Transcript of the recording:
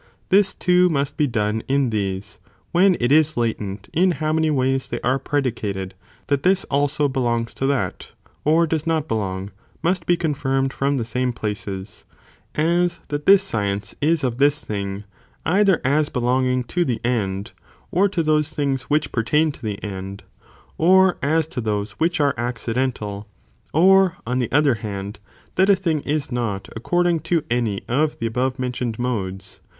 This too must be done in these, when it is latent in how many ways they are predicated, that this also belongs to that, or does not belong, must be confirmed from the same places ; as that this science is of this thing, either as belonging to the end, or to those things which pertain to the end, or as to those which are accidental, or on the other hand, that a thing is not according to any of the above mentioned modes.